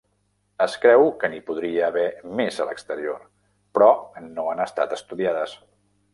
Es creu que n'hi podria haver més a l'exterior, però no han estat estudiades.